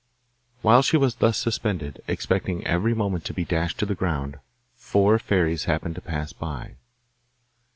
While she was thus suspended, expecting every moment to be dashed to the ground, four fairies happened to pass by.